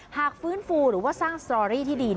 หากฟื้นฟูหรือว่าสร้างสตอรี่ที่ดี